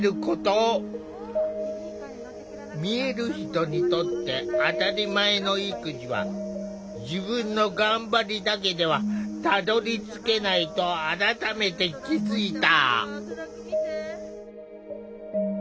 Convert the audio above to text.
見える人にとって当たり前の育児は自分の頑張りだけではたどりつけないと改めて気付いた。